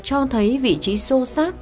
cho thấy vị trí sâu sát